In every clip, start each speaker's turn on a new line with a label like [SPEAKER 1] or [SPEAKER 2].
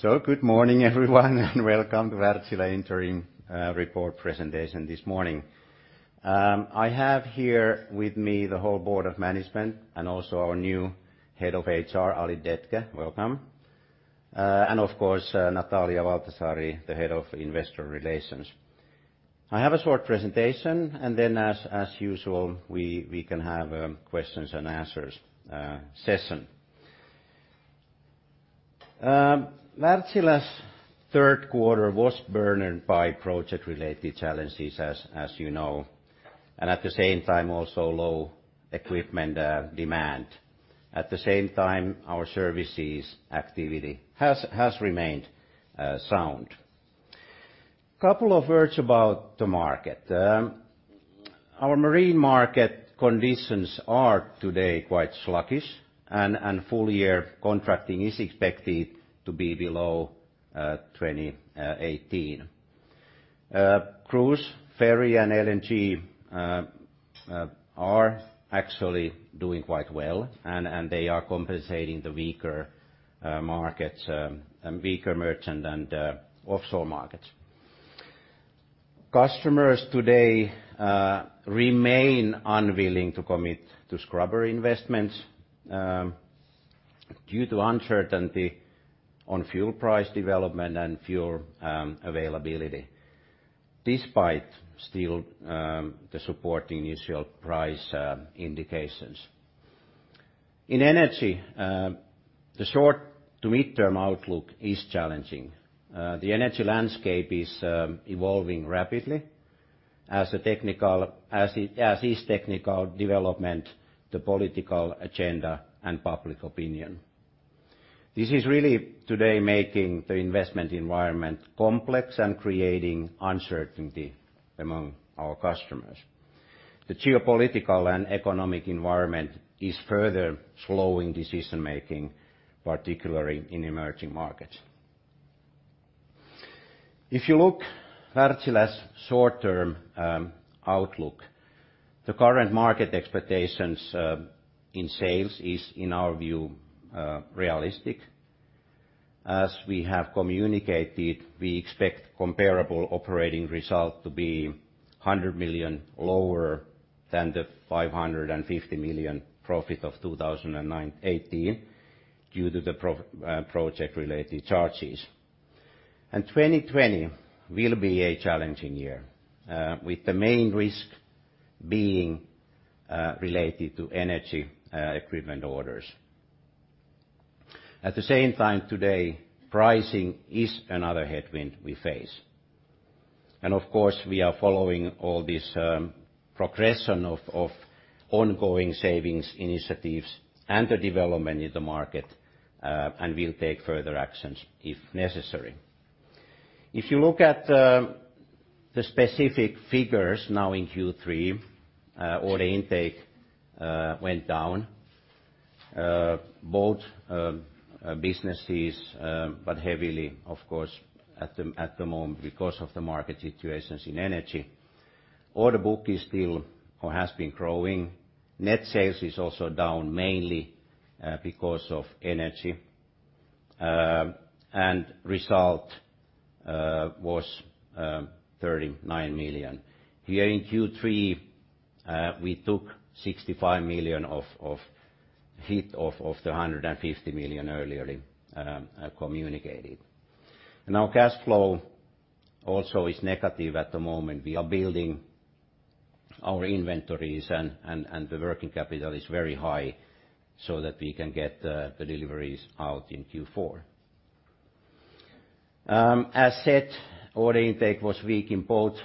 [SPEAKER 1] Good morning, everyone, and welcome to Wärtsilä Interim Report presentation this morning. I have here with me the whole board of management and also our new head of HR, Alid Dettke. Welcome. And of course, Natalia Valtasaari, the head of investor relations. I have a short presentation, and then as usual, we can have questions and answers session. Wärtsilä's third quarter was burdened by project-related challenges as you know, and at the same time also low equipment demand. At the same time, our services activity has remained sound. Couple of words about the market. Our marine market conditions are today quite sluggish and full-year contracting is expected to be below 2018. Cruise, ferry, and LNG are actually doing quite well, and they are compensating the weaker markets, weaker merchant and offshore markets. Customers today remain unwilling to commit to scrubber investments due to uncertainty on fuel price development and fuel availability, despite still the supporting initial price indications. In energy, the short to midterm outlook is challenging. The energy landscape is evolving rapidly, as is technical development, the political agenda, and public opinion. This is really today making the investment environment complex and creating uncertainty among our customers. The geopolitical and economic environment is further slowing decision-making, particularly in emerging markets. If you look Wärtsilä's short-term outlook, the current market expectations in sales is, in our view, realistic. As we have communicated, we expect comparable operating result to be 100 million lower than the 550 million profit of 2018 due to the project-related charges. 2020 will be a challenging year, with the main risk being related to energy equipment orders. At the same time today, pricing is another headwind we face. Of course, we are following all this progression of ongoing savings initiatives and the development in the market, and we'll take further actions if necessary. If you look at the specific figures now in Q3, order intake went down, both businesses, but heavily, of course, at the moment because of the market situations in energy. Order book is still or has been growing. Net sales is also down, mainly because of energy. Result was 39 million. Here in Q3, we took 65 million off of the 150 million earlier communicated. Our cash flow also is negative at the moment. We are building our inventories and the working capital is very high so that we can get the deliveries out in Q4. As said, order intake was weak in both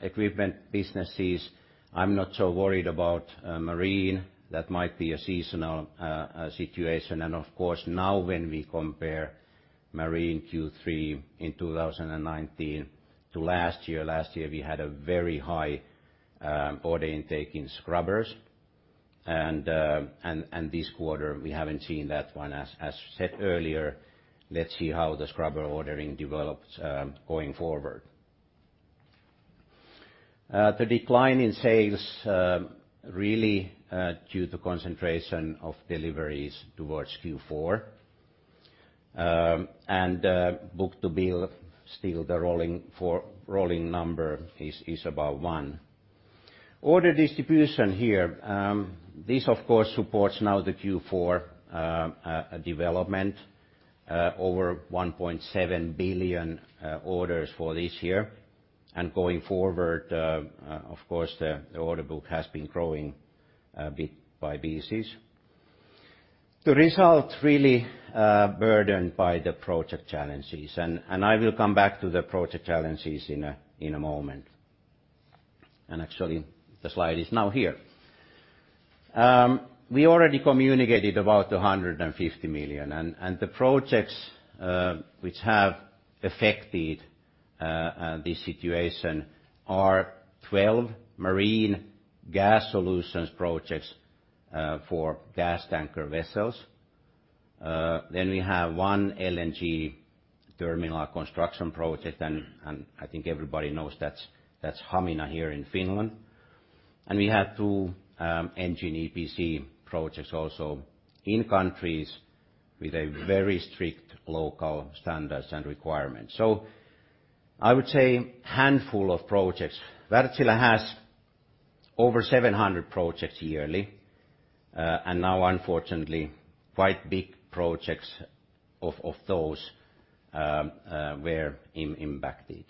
[SPEAKER 1] equipment businesses. I'm not so worried about marine. That might be a seasonal situation. Of course, now when we compare marine Q3 in 2019 to last year, last year we had a very high order intake in scrubbers. This quarter we haven't seen that one. As said earlier, let's see how the scrubber ordering develops going forward. The decline in sales really due to concentration of deliveries towards Q4. Book-to-bill, still the rolling number is about one. Order distribution here. This of course, supports now the Q4 development. Over 1.7 billion orders for this year. Going forward, of course, the order book has been growing bit by pieces. The result really burdened by the project challenges. I will come back to the project challenges in a moment. Actually, the slide is now here. We already communicated about the 150 million, the projects which have affected this situation are 12 Marine Gas Solutions projects for gas tanker vessels. We have one LNG terminal construction project, I think everybody knows that's Hamina here in Finland. We have two engine EPC projects also in countries with a very strict local standards and requirements. I would say handful of projects. Wärtsilä has over 700 projects yearly, now unfortunately quite big projects of those were impacted.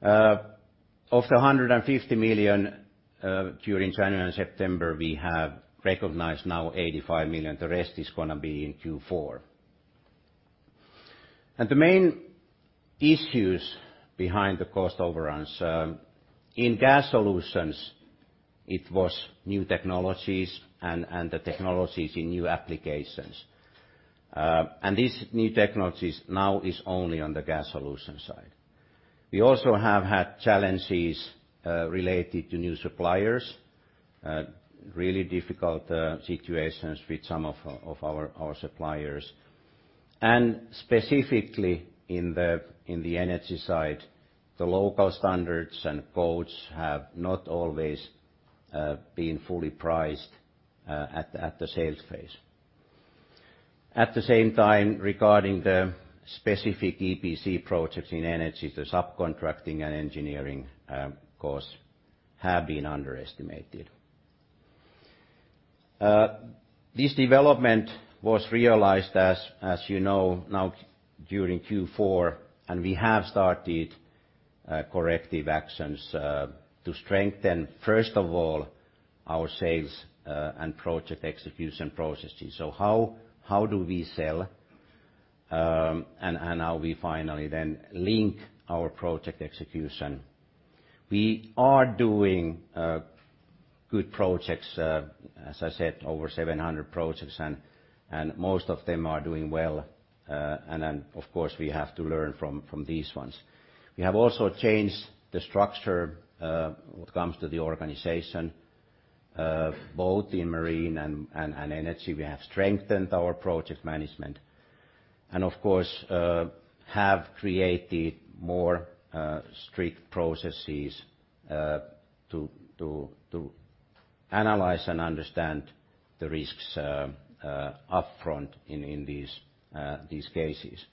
[SPEAKER 1] Of the 150 million during January and September, we have recognized now 85 million. The rest is going to be in Q4. The main issues behind the cost overruns, in Gas Solutions, it was new technologies and the technologies in new applications. These new technologies now is only on the Gas Solutions side. We also have had challenges related to new suppliers, really difficult situations with some of our suppliers. Specifically in the Energy side, the local standards and codes have not always been fully priced at the sales phase. At the same time, regarding the specific EPC projects in Energy, the subcontracting and engineering costs have been underestimated. This development was realized, as you know now during Q4, we have started corrective actions to strengthen, first of all, our sales and project execution processes. How do we sell, how we finally then link our project execution. We are doing good projects, as I said, over 700 projects, most of them are doing well. Of course, we have to learn from these ones. We have also changed the structure when it comes to the organization, both in Marine and Energy. We have strengthened our project management, and of course, have created more strict processes to analyze and understand the risks upfront in these cases.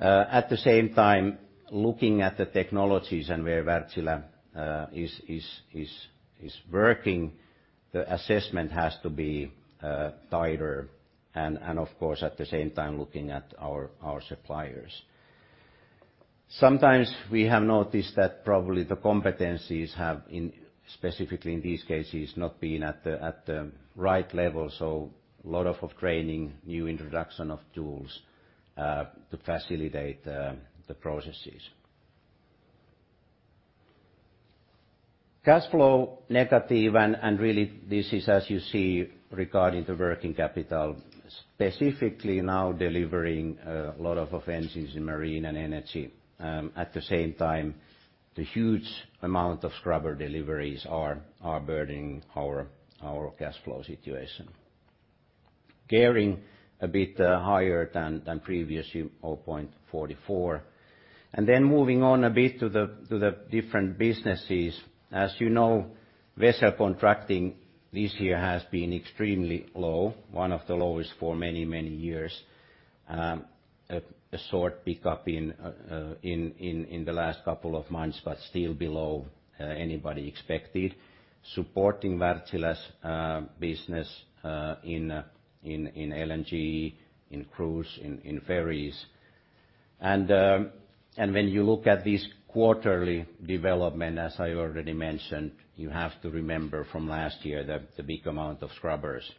[SPEAKER 1] At the same time, looking at the technologies and where Wärtsilä is working, the assessment has to be tighter, and of course, at the same time, looking at our suppliers. Sometimes we have noticed that probably the competencies have, specifically in these cases, not been at the right level. A lot of training, new introduction of tools to facilitate the processes. Cash flow negative, and really this is, as you see, regarding the working capital, specifically now delivering a lot of engines in Marine and Energy. At the same time, the huge amount of scrubber deliveries are burdening our cash flow situation. Gearing a bit higher than previous year, 0.44. Moving on a bit to the different businesses. As you know, vessel contracting this year has been extremely low, one of the lowest for many, many years. A sort pick up in the last couple of months, but still below anybody expected. Supporting Wärtsilä's business in LNG, in cruise, in ferries. When you look at this quarterly development, as I already mentioned, you have to remember from last year the big amount of scrubbers.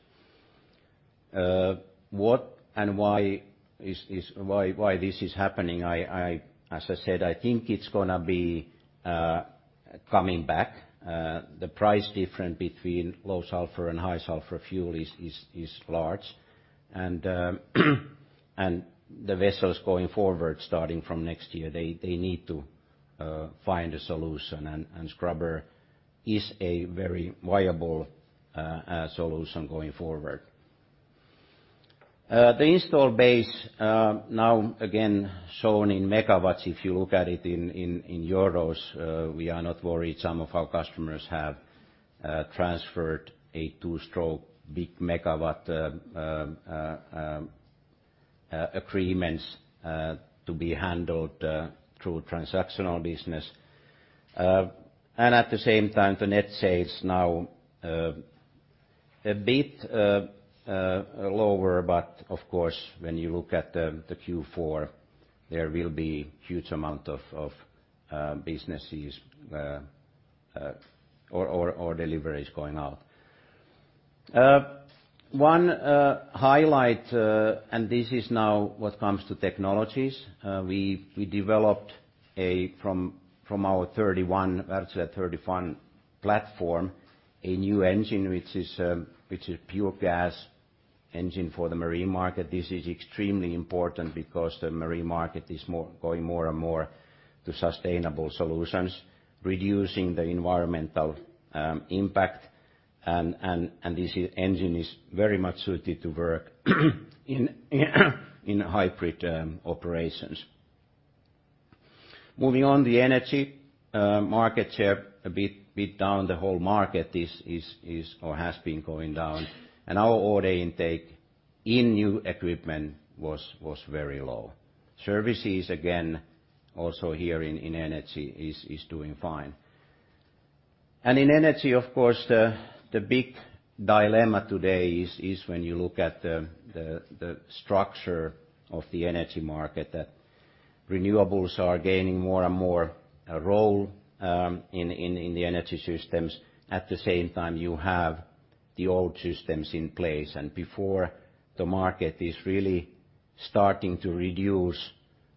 [SPEAKER 1] What and why this is happening, as I said, I think it's going to be coming back. The price difference between low sulfur and high sulfur fuel is large, and the vessels going forward, starting from next year, they need to find a solution, and scrubber is a very viable solution going forward. The install base now again shown in MW, if you look at it in EUR, we are not worried. Some of our customers have transferred a two-stroke big megawatt agreements to be handled through transactional business. At the same time, the net sales now a bit lower, but of course, when you look at the Q4, there will be huge amount of businesses or deliveries going out. One highlight, this is now what comes to technologies. We developed from our 31, Wärtsilä 31 platform, a new engine, which is pure gas engine for the marine market. This is extremely important because the marine market is going more and more to sustainable solutions, reducing the environmental impact. This engine is very much suited to work in hybrid operations. Moving on, the energy market share a bit down. The whole market is or has been going down, and our order intake in new equipment was very low. Services, again, also here in energy, is doing fine. In energy, of course, the big dilemma today is when you look at the structure of the energy market, that renewables are gaining more and more a role in the energy systems. At the same time, you have the old systems in place, and before the market is really starting to reduce,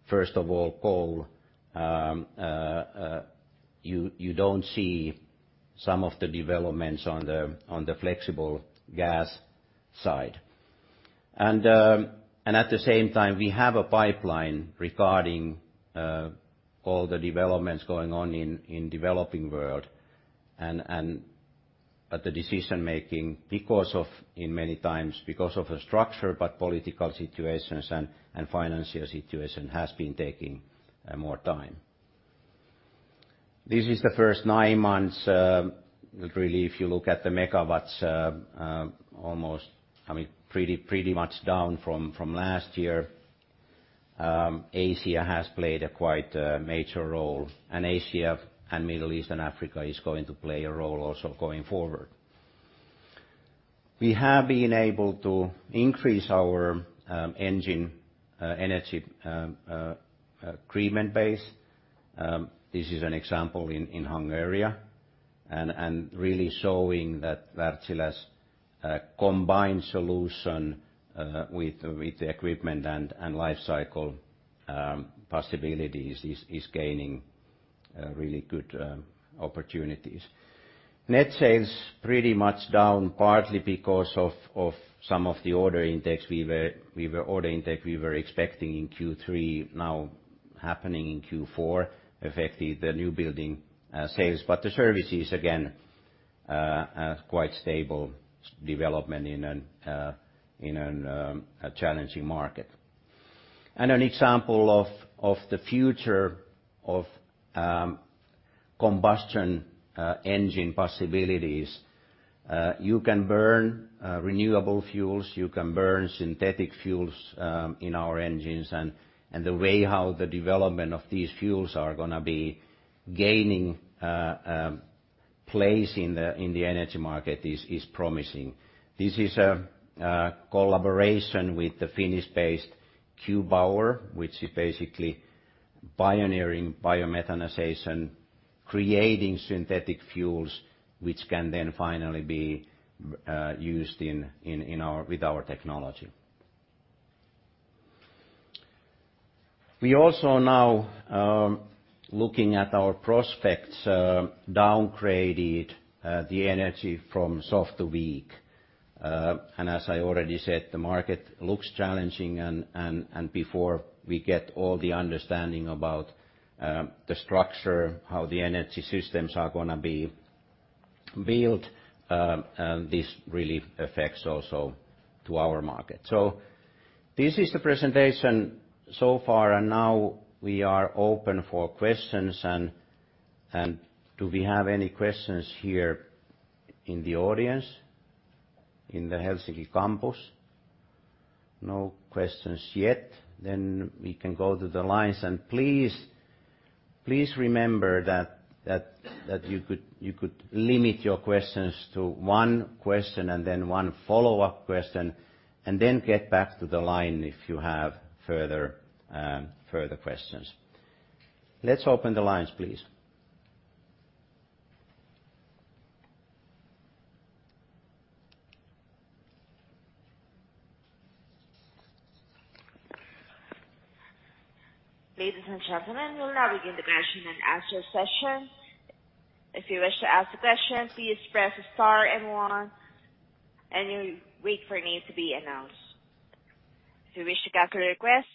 [SPEAKER 1] first of all, coal, you don't see some of the developments on the flexible gas side. At the same time, we have a pipeline regarding all the developments going on in developing world. The decision-making in many times because of a structure, but political situations and financial situation has been taking more time. This is the first nine months. Really, if you look at the megawatts, pretty much down from last year. Asia has played a quite major role, and Asia and Middle East and Africa is going to play a role also going forward. We have been able to increase our engine energy equipment base. This is an example in Hungary and really showing that Wärtsilä's combined solution with the equipment and life cycle possibility is gaining really good opportunities. Net sales pretty much down, partly because of some of the order intakes. Order intake we were expecting in Q3 now happening in Q4, affected the new building sales. The services, again, are quite stable development in a challenging market. An example of the future of combustion engine possibilities. You can burn renewable fuels, you can burn synthetic fuels in our engines, and the way how the development of these fuels are going to be gaining place in the energy market is promising. This is a collaboration with the Finnish-based Q Power, which is basically pioneering biomethanization, creating synthetic fuels, which can then finally be used with our technology. We also now, looking at our prospects, downgraded the energy from soft to weak. As I already said, the market looks challenging, and before we get all the understanding about the structure, how the energy systems are going to be built, this really affects also to our market. This is the presentation so far, now we are open for questions. Do we have any questions here in the audience, in the Helsinki campus? No questions yet, we can go to the lines. Please remember that you could limit your questions to one question and one follow-up question, get back to the line if you have further questions. Let's open the lines, please.
[SPEAKER 2] Ladies and gentlemen, we'll now begin the question-and-answer session. If you wish to ask the question, please press star and one, and you wait for your name to be announced. If you wish to cancel your request,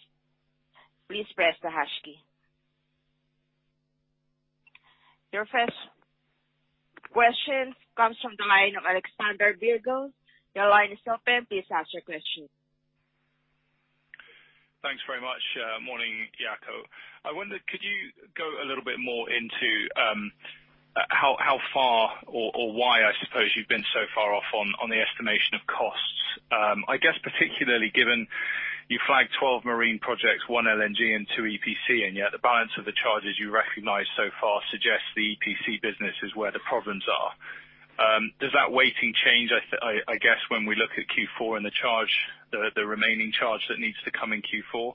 [SPEAKER 2] please press the hash key. Your first question comes from the line of Alexander Virgo. Your line is open, please ask your question.
[SPEAKER 3] Thanks very much. Morning, Jaakko. I wonder, could you go a little bit more into how far or why, I suppose, you've been so far off on the estimation of costs? I guess particularly given you flagged 12 marine projects, one LNG and two EPC, and yet the balance of the charges you recognized so far suggests the EPC business is where the problems are. Does that weighting change, I guess, when we look at Q4 and the remaining charge that needs to come in Q4?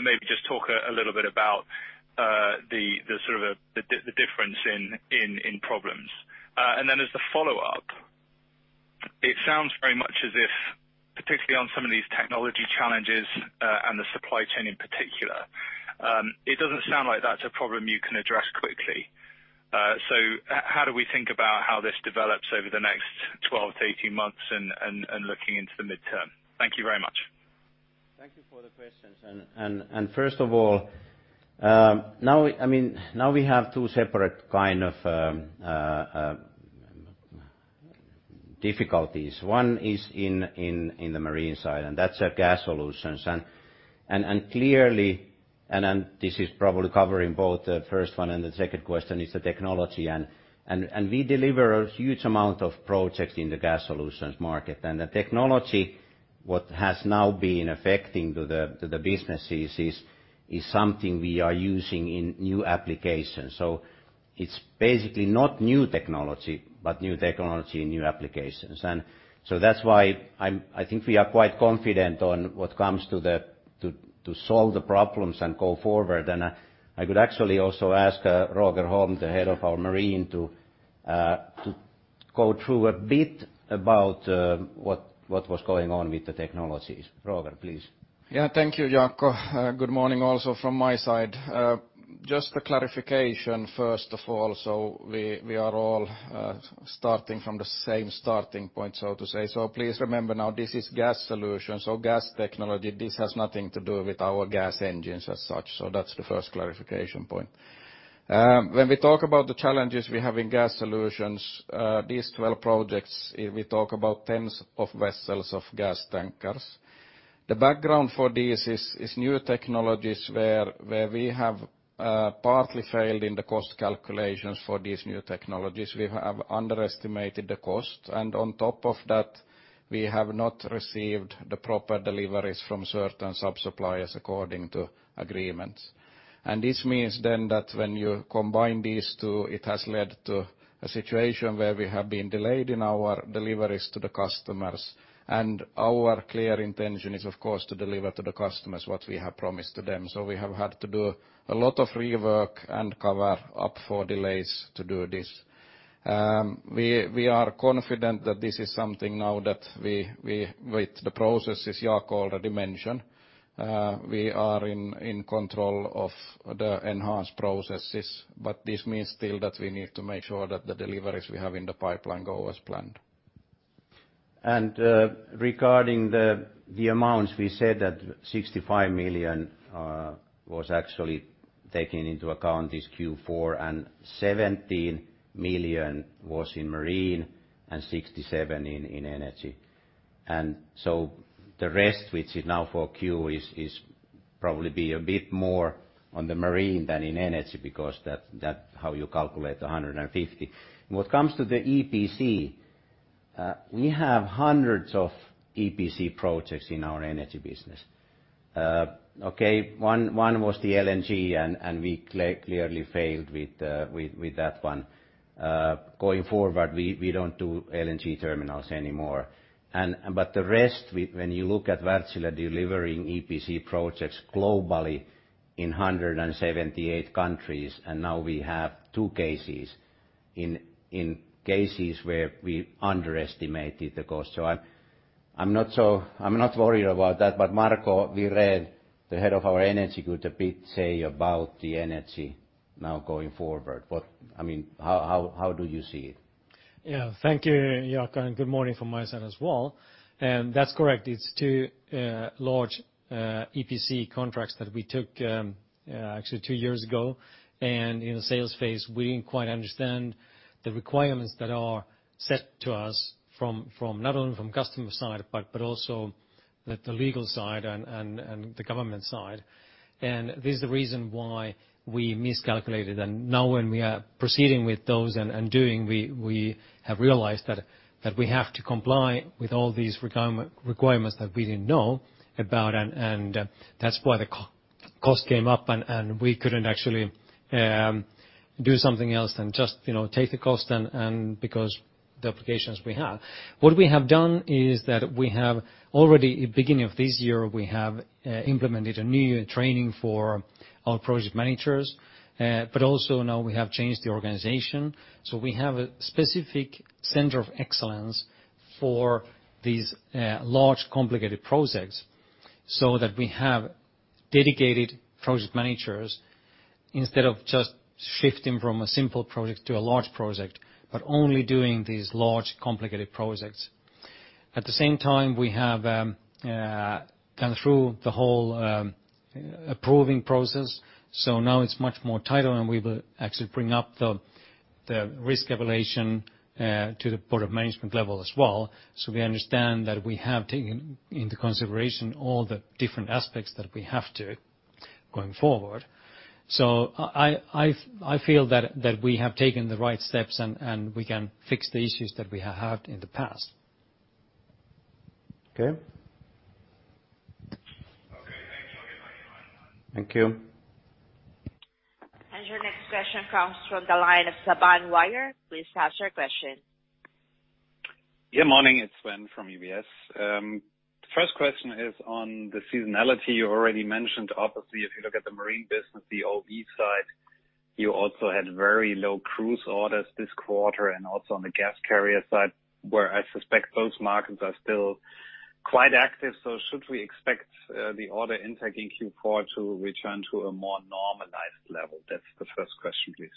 [SPEAKER 3] Maybe just talk a little bit about the difference in problems. As the follow-up, it sounds very much as if, particularly on some of these technology challenges and the supply chain in particular, it doesn't sound like that's a problem you can address quickly. How do we think about how this develops over the next 12-18 months and looking into the midterm? Thank you very much.
[SPEAKER 1] Thank you for the questions. First of all, now we have two separate kind of difficulties. One is in the marine side, and that's our Gas Solutions. Clearly, this is probably covering both the first one and the second question, is the technology. We deliver a huge amount of projects in the Gas Solutions market. The technology, what has now been affecting to the businesses is something we are using in new applications. It's basically not new technology, but new technology in new applications. That's why I think we are quite confident on what comes to solve the problems and go forward. I could actually also ask Roger Holm, the head of our Marine, to go through a bit about what was going on with the technologies. Roger, please.
[SPEAKER 4] Yeah. Thank you, Jaakko. Good morning also from my side. Just a clarification first of all, we are all starting from the same starting point, so to say. Please remember now, this is Gas Solutions or gas technology. This has nothing to do with our gas engines as such. That's the first clarification point. When we talk about the challenges we have in Gas Solutions, these 12 projects, we talk about tens of vessels of gas tankers. The background for this is new technologies where we have partly failed in the cost calculations for these new technologies. We have underestimated the cost, and on top of that, we have not received the proper deliveries from certain sub-suppliers according to agreements. This means then that when you combine these two, it has led to a situation where we have been delayed in our deliveries to the customers, and our clear intention is, of course, to deliver to the customers what we have promised to them. We have had to do a lot of rework and cover up for delays to do this. We are confident that this is something now that with the processes Jaakko already mentioned, we are in control of the enhanced processes. This means still that we need to make sure that the deliveries we have in the pipeline go as planned.
[SPEAKER 1] Regarding the amounts, we said that 65 million was actually taken into account this Q4, 17 million was in marine and 67 million in energy. The rest, which is now 4Q, is probably a bit more on the marine than in energy because that's how you calculate 150. When it comes to the EPC, we have hundreds of EPC projects in our energy business. Okay, one was the LNG, and we clearly failed with that one. Going forward, we don't do LNG terminals anymore. The rest, when you look at Wärtsilä delivering EPC projects globally in 178 countries, and now we have two cases where we underestimated the cost. I'm not worried about that, but Marco Wirén, the head of our energy, could a bit say about the energy now going forward. How do you see it?
[SPEAKER 5] Yeah. Thank you, Jaakko, and good morning from my side as well. That's correct. It's two large EPC contracts that we took actually two years ago. In the sales phase, we didn't quite understand the requirements that are set to us from not only from customer side, but also the legal side and the government side. This is the reason why we miscalculated. Now when we are proceeding with those, we have realized that we have to comply with all these requirements that we didn't know about, and that's why the cost came up, and we couldn't actually do something else than just take the cost because the applications we have. What we have done is that we have already, beginning of this year, we have implemented a new training for our project managers. Also now we have changed the organization. We have a specific center of excellence for these large, complicated projects so that we have dedicated project managers instead of just shifting from a simple project to a large project, but only doing these large, complicated projects. At the same time, we have gone through the whole approving process. Now it's much more tighter, and we will actually bring up the risk evaluation to the board of management level as well. We understand that we have taken into consideration all the different aspects that we have to going forward. I feel that we have taken the right steps, and we can fix the issues that we have had in the past.
[SPEAKER 1] Okay.
[SPEAKER 4] Okay, thanks.
[SPEAKER 1] Thank you.
[SPEAKER 2] Your next question comes from the line of Sven Weier. Please ask your question.
[SPEAKER 6] Yeah, morning. It's Sven from UBS. First question is on the seasonality. You already mentioned, obviously, if you look at the marine business, the OSV side, you also had very low cruise orders this quarter, and also on the gas carrier side, where I suspect those markets are still quite active. Should we expect the order intake in Q4 to return to a more normalized level? That's the first question, please.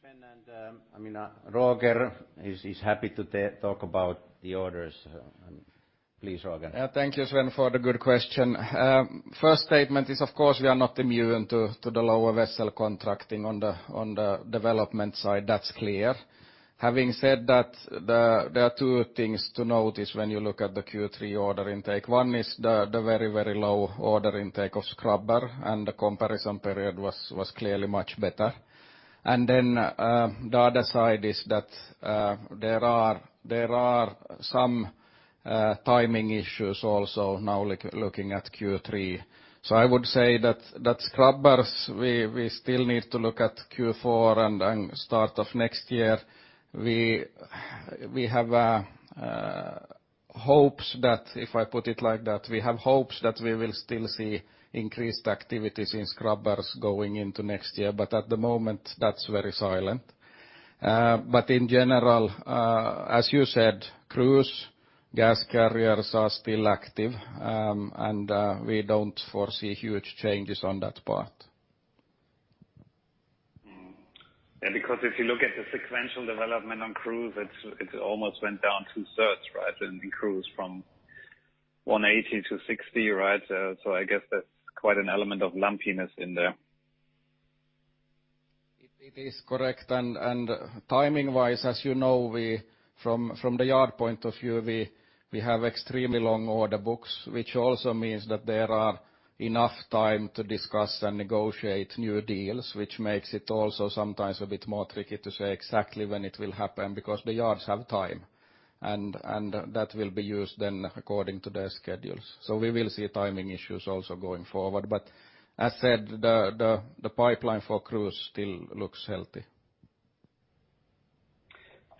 [SPEAKER 1] Sven and Roger is happy to talk about the orders. Please, Roger.
[SPEAKER 4] Yeah, thank you, Sven, for the good question. First statement is, of course, we are not immune to the lower vessel contracting on the development side. That's clear. Having said that, there are two things to notice when you look at the Q3 order intake. One is the very, very low order intake of scrubber and the comparison period was clearly much better. The other side is that there are some timing issues also now looking at Q3. I would say that scrubbers, we still need to look at Q4 and start of next year. We have hopes that, if I put it like that, we have hopes that we will still see increased activities in scrubbers going into next year, but at the moment, that's very silent. In general, as you said, cruise, gas carriers are still active, and we don't foresee huge changes on that part.
[SPEAKER 6] Mm-hmm. Yeah, because if you look at the sequential development on cruise, it almost went down two-thirds, right, in cruise from 180 to 60, right? I guess that's quite an element of lumpiness in there.
[SPEAKER 4] It is correct. Timing-wise, as you know, from the yard point of view, we have extremely long order books, which also means that there are enough time to discuss and negotiate new deals, which makes it also sometimes a bit more tricky to say exactly when it will happen, because the yards have time, and that will be used then according to their schedules. We will see timing issues also going forward. As said, the pipeline for cruise still looks healthy.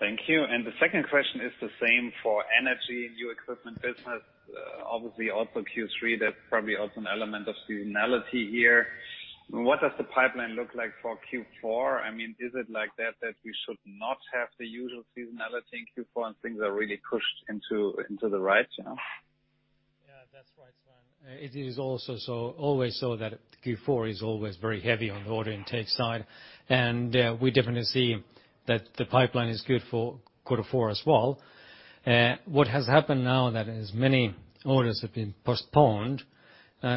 [SPEAKER 6] Thank you. The second question is the same for energy, new equipment business, obviously also Q3. That's probably also an element of seasonality here. What does the pipeline look like for Q4? Is it like that we should not have the usual seasonality in Q4, and things are really pushed into the right now?
[SPEAKER 5] Yeah. That's right, Sven. It is always so that Q4 is always very heavy on the order intake side. We definitely see that the pipeline is good for quarter four as well. What has happened now that is many orders have been postponed,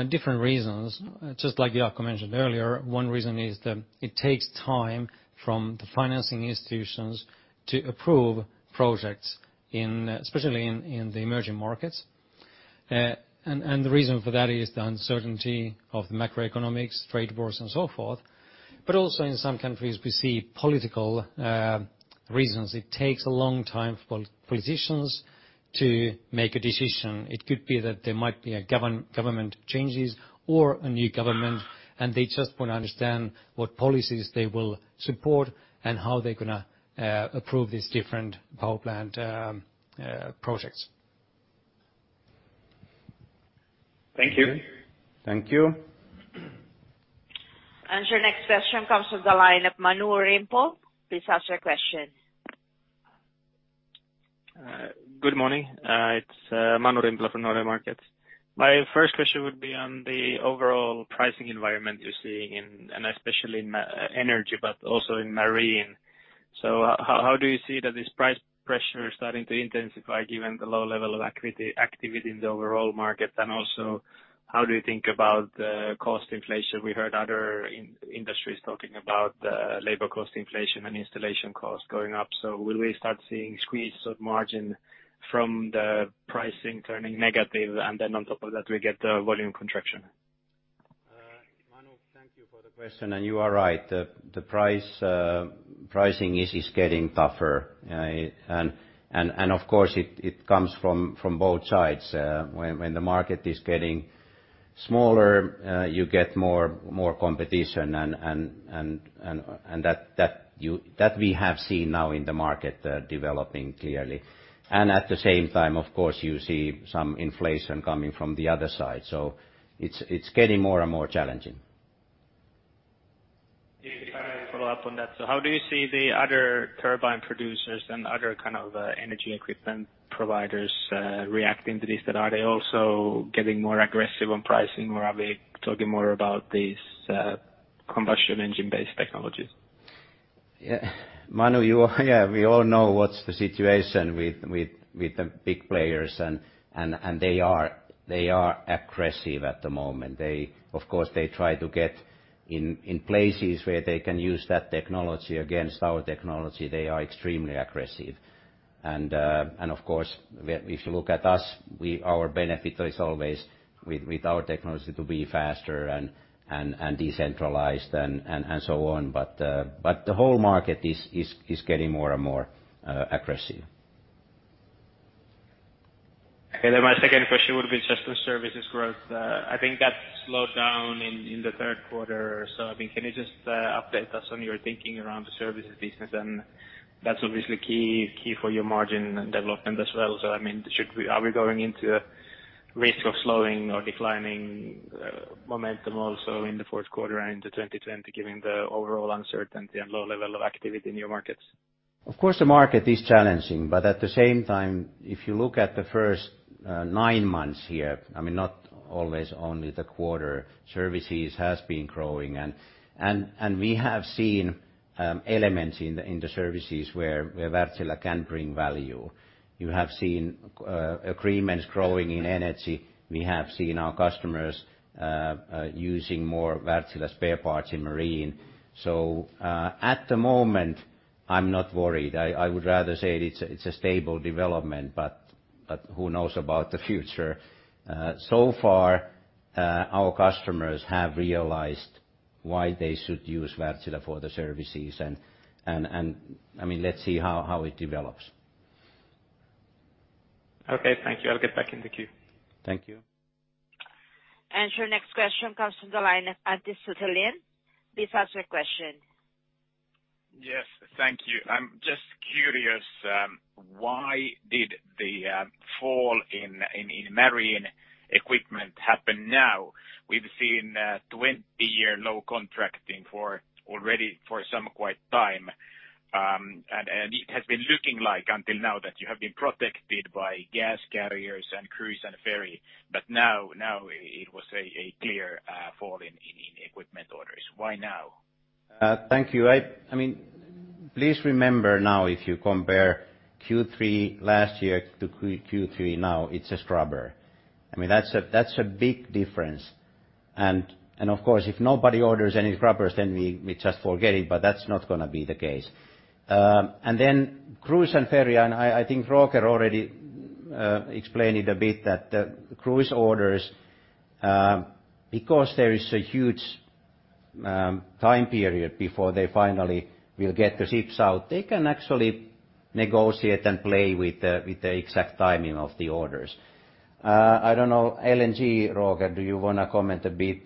[SPEAKER 5] different reasons, just like Jaakko mentioned earlier. One reason is that it takes time from the financing institutions to approve projects, especially in the emerging markets. The reason for that is the uncertainty of the macroeconomics, trade wars, and so forth. Also in some countries, we see political reasons. It takes a long time for politicians to make a decision. It could be that there might be government changes or a new government, and they just want to understand what policies they will support and how they're going to approve these different power plant projects.
[SPEAKER 6] Thank you.
[SPEAKER 4] Thank you.
[SPEAKER 2] Your next question comes from the line of Manu Rimpelä. Please ask your question.
[SPEAKER 7] Good morning. It's Manu Rimpelä from Nordea Markets. My first question would be on the overall pricing environment you're seeing and especially in energy, but also in marine. How do you see that this price pressure is starting to intensify given the low level of activity in the overall market? How do you think about cost inflation? We heard other industries talking about labor cost inflation and installation costs going up. Will we start seeing squeeze of margin from the pricing turning negative, and then on top of that, we get volume contraction?
[SPEAKER 1] Manu, thank you for the question. You are right. The pricing is just getting tougher. Of course, it comes from both sides. When the market is getting smaller, you get more competition, and that we have seen now in the market developing clearly. At the same time, of course, you see some inflation coming from the other side. It's getting more and more challenging.
[SPEAKER 7] If I may follow up on that. How do you see the other turbine producers and other kind of energy equipment providers reacting to this, that are they also getting more aggressive on pricing, or are we talking more about these combustion engine-based technologies?
[SPEAKER 1] Yeah. Manu, we all know what's the situation with the big players, and they are aggressive at the moment. Of course, they try to get in places where they can use that technology against our technology. They are extremely aggressive. Of course, if you look at us, our benefit is always with our technology to be faster and decentralized and so on, the whole market is getting more and more aggressive.
[SPEAKER 7] Okay. My second question would be just on services growth. I think that slowed down in the third quarter. Can you just update us on your thinking around the services business? That's obviously key for your margin development as well. Are we going into risk of slowing or declining momentum also in the fourth quarter and into 2020, given the overall uncertainty and low level of activity in your markets?
[SPEAKER 1] Of course, the market is challenging, at the same time, if you look at the first nine months here, not always only the quarter, services has been growing. We have seen elements in the services where Wärtsilä can bring value. You have seen agreements growing in energy. We have seen our customers using more Wärtsilä spare parts in marine. At the moment, I'm not worried. I would rather say it's a stable development, who knows about the future. So far, our customers have realized why they should use Wärtsilä for the services. Let's see how it develops.
[SPEAKER 7] Okay, thank you. I'll get back in the queue.
[SPEAKER 1] Thank you.
[SPEAKER 2] Your next question comes from the line, Antti Suttelin. Please ask your question.
[SPEAKER 8] Yes, thank you. I am just curious, why did the fall in marine equipment happen now? We have seen 20-year low contracting already for some quite time. It has been looking like, until now, that you have been protected by gas carriers and cruise and ferry. Now, it was a clear fall in equipment orders. Why now?
[SPEAKER 1] Thank you. Please remember now, if you compare Q3 last year to Q3 now, it's a scrubber. That's a big difference. Of course, if nobody orders any scrubbers, then we just forget it, but that's not going to be the case. Then cruise and ferry, I think Roger already explained it a bit, that the cruise orders, because there is a huge time period before they finally will get the ships out, they can actually negotiate and play with the exact timing of the orders. I don't know, LNG, Roger, do you want to comment a bit?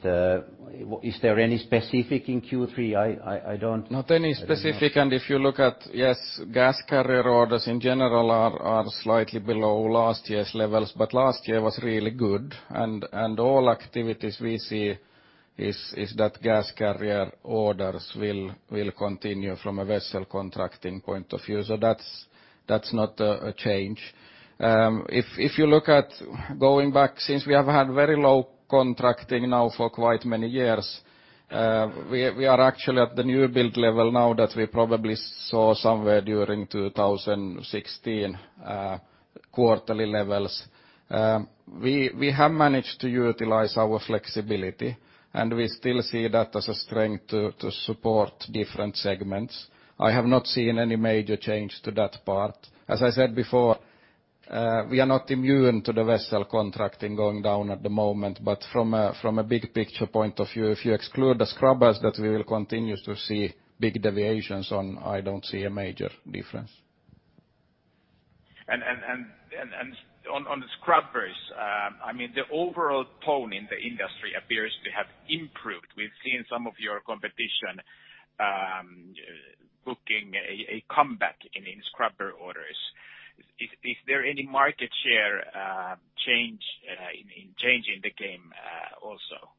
[SPEAKER 1] Is there any specific in Q3? I don't know.
[SPEAKER 4] Not any specific. If you look at, yes, gas carrier orders in general are slightly below last year's levels. Last year was really good. All activities we see is that gas carrier orders will continue from a vessel contracting point of view. That's not a change. If you look at going back, since we have had very low contracting now for quite many years, we are actually at the new build level now that we probably saw somewhere during 2016, quarterly levels. We have managed to utilize our flexibility. We still see that as a strength to support different segments. I have not seen any major change to that part. As I said before, we are not immune to the vessel contracting going down at the moment, but from a big picture point of view, if you exclude the scrubbers that we will continue to see big deviations on, I don't see a major difference.
[SPEAKER 8] On the scrubbers, the overall tone in the industry appears to have improved. We've seen some of your competition booking a comeback in scrubber orders. Is there any market share change in the game also?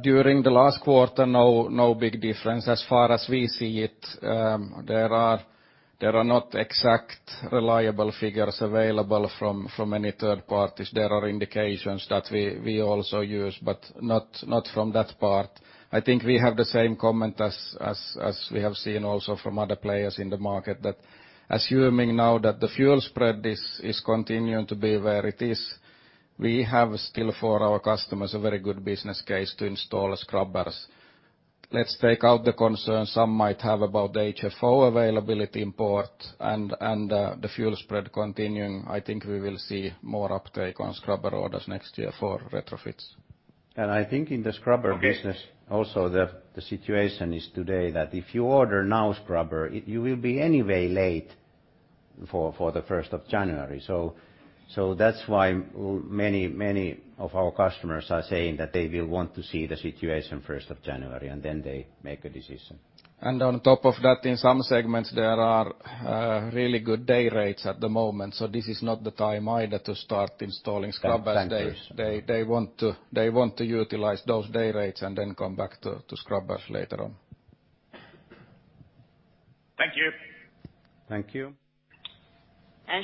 [SPEAKER 4] During the last quarter, no big difference as far as we see it. There are not exact reliable figures available from any third parties. There are indications that we also use, but not from that part. I think we have the same comment as we have seen also from other players in the market, that assuming now that the fuel spread is continuing to be where it is, we have still for our customers, a very good business case to install scrubbers. Let's take out the concern some might have about HFO availability import and the fuel spread continuing. I think we will see more uptake on scrubber orders next year for retrofits.
[SPEAKER 1] I think in the scrubber business also, the situation is today that if you order now scrubber, you will be anyway late for the 1st of January. That's why many of our customers are saying that they will want to see the situation 1st of January, and then they make a decision.
[SPEAKER 4] On top of that, in some segments, there are really good day rates at the moment. This is not the time either to start installing scrubbers.
[SPEAKER 1] tankers.
[SPEAKER 4] They want to utilize those day rates and then come back to scrubbers later on.
[SPEAKER 8] Thank you.
[SPEAKER 1] Thank you.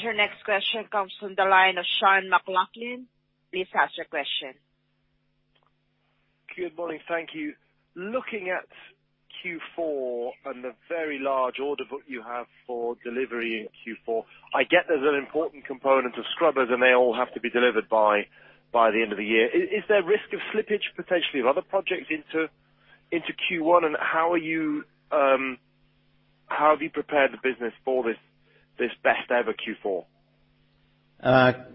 [SPEAKER 2] Your next question comes from the line of Sean McLoughlin. Please ask your question.
[SPEAKER 9] Good morning. Thank you. Looking at Q4 and the very large order book you have for delivery in Q4, I get there's an important component of scrubbers, and they all have to be delivered by the end of the year. Is there a risk of slippage potentially of other projects into Q1? How have you prepared the business for this best ever Q4?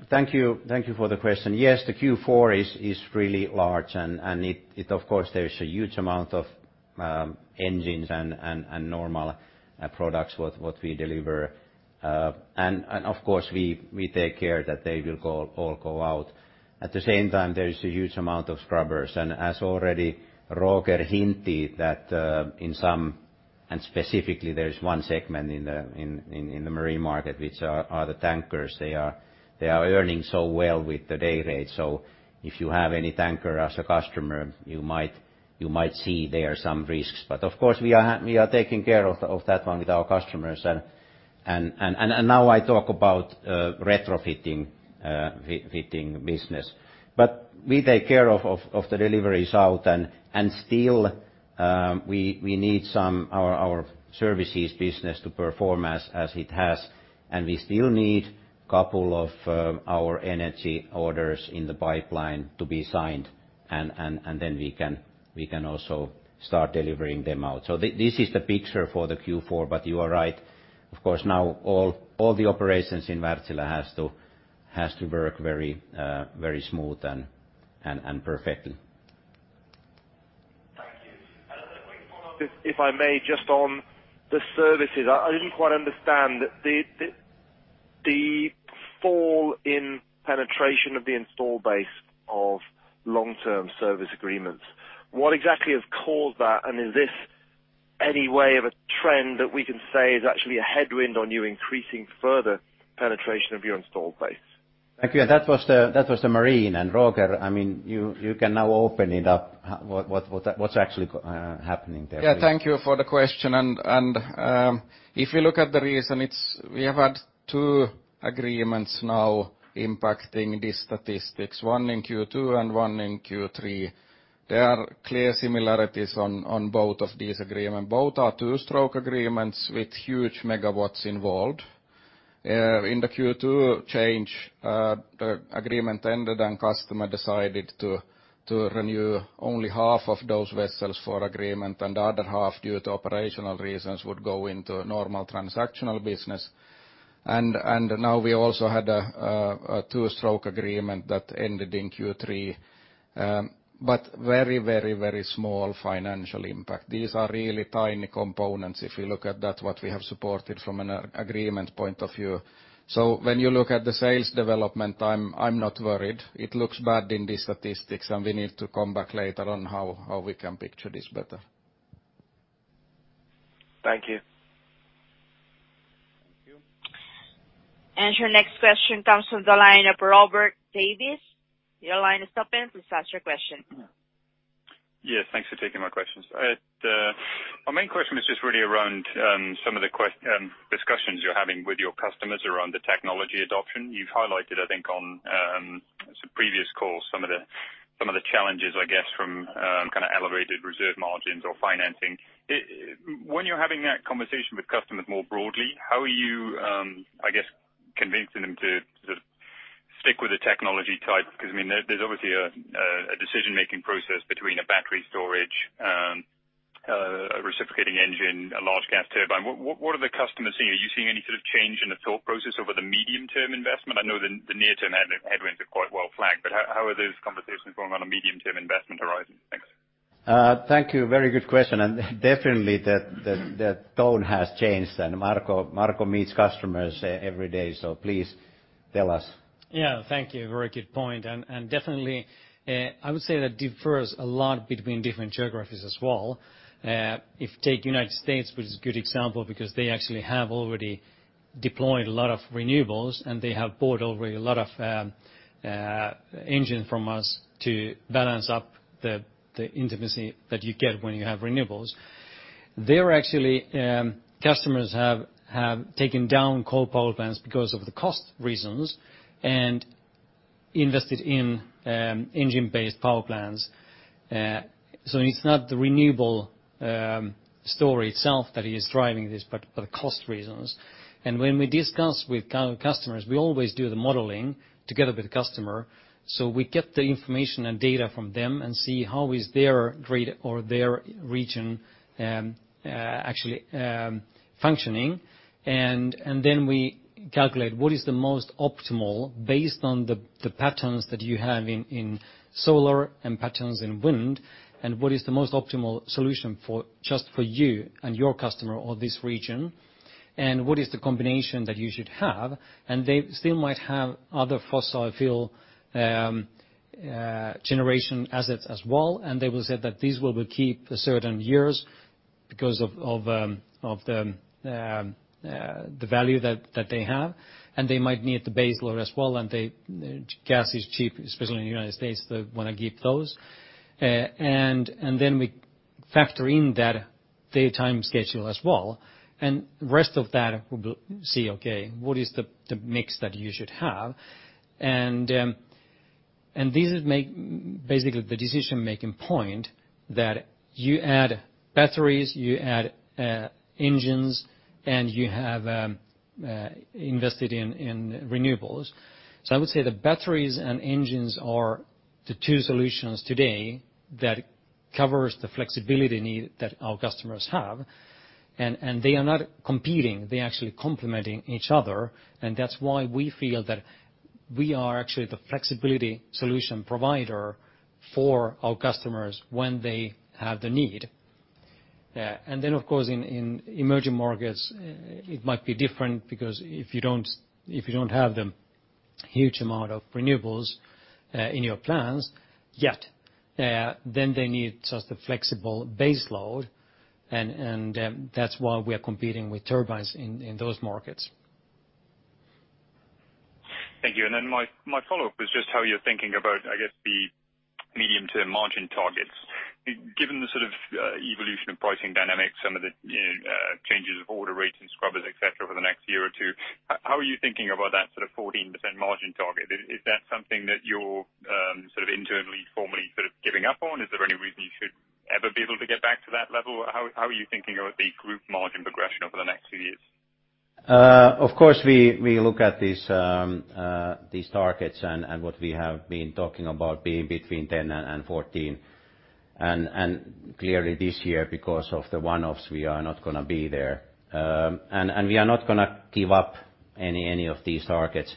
[SPEAKER 1] Thank you for the question. Yes, the Q4 is really large, of course, there is a huge amount of engines and normal products what we deliver. Of course, we take care that they will all go out. At the same time, there is a huge amount of scrubbers. As already Roger hinted that in some, specifically there is one segment in the marine market, which are the tankers. They are earning so well with the day rate. If you have any tanker as a customer, you might see there some risks. Of course, we are taking care of that one with our customers. Now I talk about retrofitting business. We take care of the deliveries out, and still, we need some our services business to perform as it has. We still need couple of our energy orders in the pipeline to be signed, and then we can also start delivering them out. This is the picture for the Q4, but you are right. Of course, now all the operations in Wärtsilä has to work very smooth and perfectly.
[SPEAKER 9] Thank you. A quick follow, if I may, just on the services. I didn't quite understand the fall in penetration of the installed base of long-term service agreements. What exactly has caused that, and is this any way of a trend that we can say is actually a headwind on you increasing further penetration of your installed base?
[SPEAKER 1] Thank you. That was the Marine. Roger, you can now open it up. What's actually happening there?
[SPEAKER 4] Yeah. Thank you for the question. If we look at the reason, we have had two agreements now impacting these statistics, one in Q2 and one in Q3. There are clear similarities on both of these agreement. Both are two-stroke agreements with huge megawatts involved. In the Q2 change, the agreement ended and customer decided to renew only half of those vessels for agreement, and the other half, due to operational reasons, would go into a normal transactional business. Now we also had a two-stroke agreement that ended in Q3. Very small financial impact. These are really tiny components if you look at that, what we have supported from an agreement point of view. When you look at the sales development, I'm not worried. It looks bad in these statistics, and we need to come back later on how we can picture this better.
[SPEAKER 9] Thank you.
[SPEAKER 1] Thank you.
[SPEAKER 2] Your next question comes from the line of Robert Davies. Your line is open to ask your question.
[SPEAKER 10] Yeah. Thanks for taking my questions. My main question is just really around some of the discussions you're having with your customers around the technology adoption. You've highlighted, I think, on some previous calls, some of the challenges, I guess, from kind of elevated reserve margins or financing. When you're having that conversation with customers more broadly, how are you, I guess, convincing them to sort of stick with the technology type? There's obviously a decision-making process between a battery storage, a reciprocating engine, a large gas turbine. What are the customers seeing? Are you seeing any sort of change in the thought process over the medium term investment? I know the near-term headwinds are quite well flagged, how are those conversations going on a medium-term investment horizon? Thanks.
[SPEAKER 1] Thank you. Definitely the tone has changed. Marco meets customers every day. Please tell us.
[SPEAKER 5] Yeah. Thank you. Very good point. Definitely, I would say that differs a lot between different geographies as well. If you take the U.S., which is a good example because they actually have already deployed a lot of renewables, and they have bought already a lot of engine from us to balance up the intermittency that you get when you have renewables. There, actually, customers have taken down coal power plants because of the cost reasons and invested in engine-based power plants. It's not the renewable story itself that is driving this, but the cost reasons. When we discuss with customers, we always do the modeling together with the customer. We get the information and data from them and see how is their grid or their region actually functioning. Then we calculate what is the most optimal based on the patterns that you have in solar and patterns in wind, and what is the most optimal solution just for you and your customer or this region. What is the combination that you should have. They still might have other fossil fuel generation assets as well, and they will say that these will be keep a certain years because of the value that they have. They might need the base load as well, and gas is cheap, especially in the United States, they want to keep those. Then we factor in that daytime schedule as well. Rest of that, we will see, okay, what is the mix that you should have. This is basically the decision-making point that you add batteries, you add engines, and you have invested in renewables. I would say the batteries and engines are the two solutions today that cover the flexibility need that our customers have. They are not competing, they're actually complementing each other. That's why we feel that we are actually the flexibility solution provider for our customers when they have the need. Of course, in emerging markets, it might be different because if you don't have the huge amount of renewables in your plans yet, then they need just a flexible base load. That's why we are competing with turbines in those markets.
[SPEAKER 10] Thank you. My follow-up was just how you're thinking about, I guess, the medium-term margin targets. Given the sort of evolution of pricing dynamics, some of the changes of order rates and scrubbers, et cetera, over the next year or two, how are you thinking about that 14% margin target? Is that something that you're internally, formally sort of giving up on? Is there any reason you should ever be able to get back to that level? How are you thinking about the group margin progression over the next few years?
[SPEAKER 1] Of course, we look at these targets and what we have been talking about being between 10 and 14. Clearly this year, because of the one-offs, we are not going to be there. We are not going to give up any of these targets.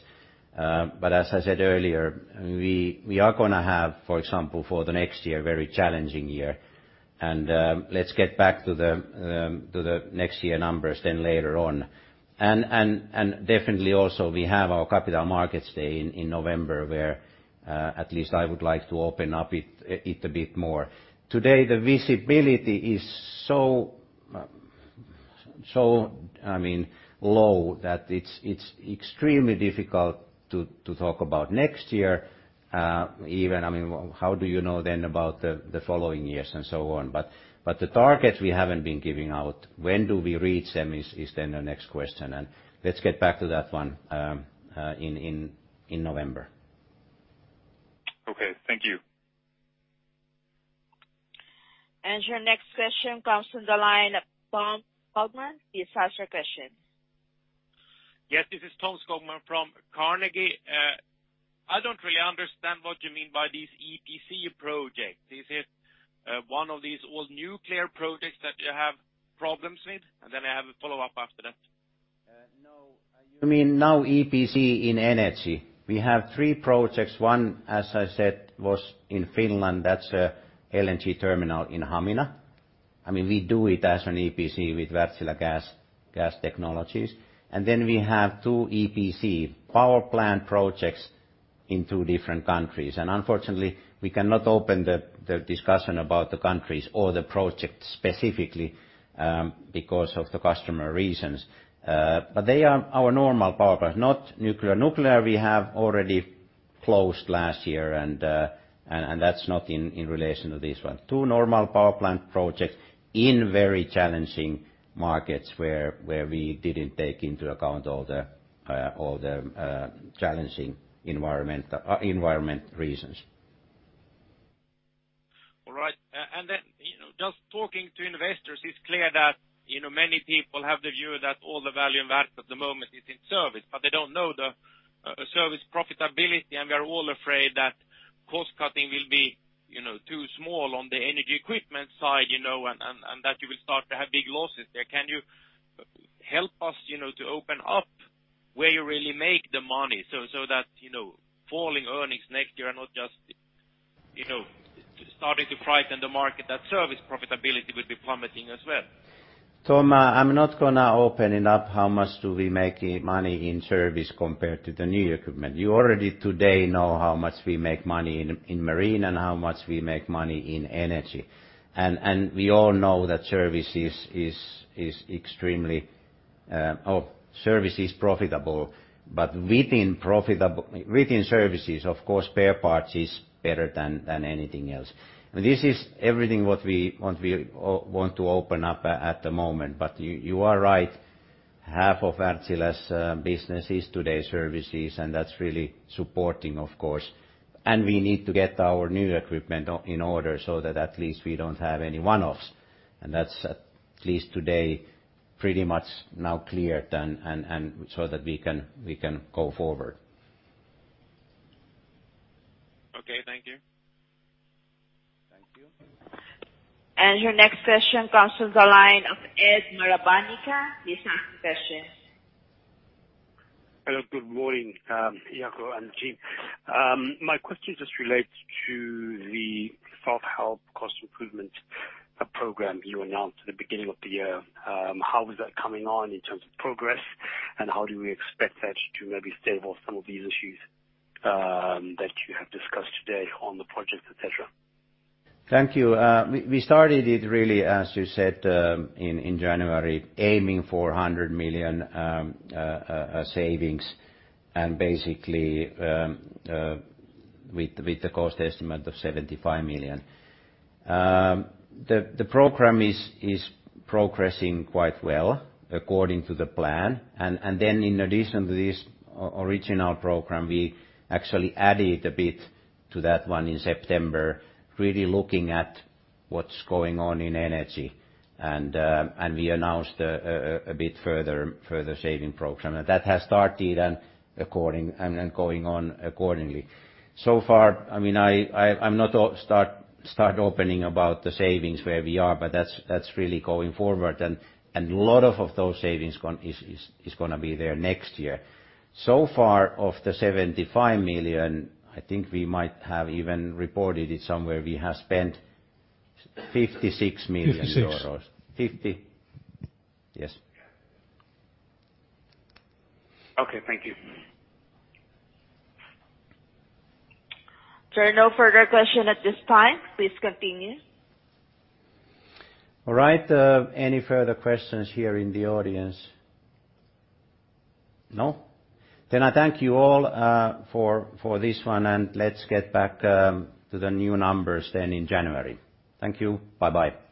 [SPEAKER 1] As I said earlier, we are going to have, for example, for the next year, very challenging year. Let's get back to the next year numbers then later on. Definitely also we have our capital markets day in November where at least I would like to open up it a bit more. Today, the visibility is so low that it's extremely difficult to talk about next year. Even, how do you know then about the following years and so on. The targets we haven't been giving out. When do we reach them is then the next question. Let's get back to that one in November.
[SPEAKER 10] Okay. Thank you.
[SPEAKER 2] Your next question comes from the line of Tom Skogman. Please ask your question.
[SPEAKER 11] Yes, this is Tom Skogman from Carnegie. I don't really understand what you mean by these EPC projects. Is it one of these old nuclear projects that you have problems with? I have a follow-up after that.
[SPEAKER 1] No. You mean now EPC in energy. We have three projects. One, as I said, was in Finland, that's a LNG terminal in Hamina. We do it as an EPC with Wärtsilä Gas Solutions. We have two EPC power plant projects in two different countries. Unfortunately, we cannot open the discussion about the countries or the project specifically, because of the customer reasons. They are our normal power plants, not nuclear. Nuclear, we have already closed last year, and that's not in relation to this one. Two normal power plant projects in very challenging markets where we didn't take into account all the challenging environment reasons.
[SPEAKER 11] All right. Just talking to investors, it's clear that many people have the view that all the value in Wärtsilä at the moment is in service, but they don't know the service profitability, and we are all afraid that cost-cutting will be too small on the energy equipment side, and that you will start to have big losses there. Can you help us to open up where you really make the money so that falling earnings next year are not just starting to frighten the market, that service profitability would be plummeting as well?
[SPEAKER 1] Tom, I'm not going to open it up how much do we make money in service compared to the new equipment. You already today know how much we make money in marine and how much we make money in energy. We all know that service is profitable, but within services, of course, spare parts is better than anything else. This is everything what we want to open up at the moment. You are right, half of Wärtsilä's business is today services, and that's really supporting, of course. We need to get our new equipment in order so that at least we don't have any one-offs. That's at least today, pretty much now cleared and so that we can go forward.
[SPEAKER 11] Okay. Thank you.
[SPEAKER 1] Thank you.
[SPEAKER 2] Your next question comes from the line of Ed Maravanyika. Please ask your question.
[SPEAKER 12] Hello. Good morning, Jaakko and team. My question just relates to the Self-Help Cost Improvement Program you announced at the beginning of the year. How is that coming on in terms of progress, and how do we expect that to maybe stable some of these issues that you have discussed today on the projects, et cetera?
[SPEAKER 1] Thank you. We started it really, as you said, in January, aiming for 100 million savings and basically with the cost estimate of 75 million. The program is progressing quite well according to the plan. In addition to this original program, we actually added a bit to that one in September, really looking at what's going on in energy. We announced a bit further saving program. That has started and going on accordingly. So far, I'm not start opening about the savings where we are, but that's really going forward, and a lot of those savings is going to be there next year. So far, of the 75 million, I think we might have even reported it somewhere, we have spent 56 million euros.
[SPEAKER 12] 56.
[SPEAKER 1] 50 Yes.
[SPEAKER 12] Okay. Thank you.
[SPEAKER 2] There are no further question at this time. Please continue.
[SPEAKER 1] All right. Any further questions here in the audience? No. I thank you all for this one, and let's get back to the new numbers then in January. Thank you. Bye-bye.